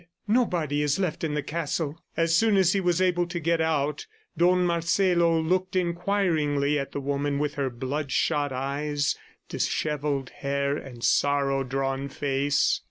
"Nobody is left in the castle." As soon as he was able to get out Don Marcelo looked inquiringly at the woman with her bloodshot eyes, dishevelled hair and sorrow drawn face.